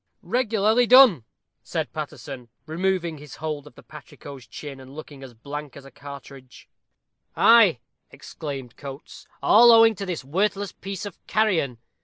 "Regularly done!" said Paterson, removing his hold of the patrico's chin, and looking as blank as a cartridge. "Ay," exclaimed Coates; "all owing to this worthless piece of carrion.